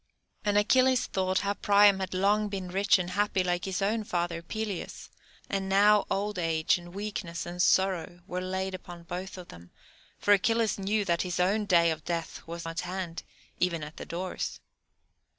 And Achilles thought how Priam had long been rich and happy, like his own father, Peleus, and now old age and weakness and sorrow were laid upon both of them, for Achilles knew that his own day of death was at hand, even at the doors.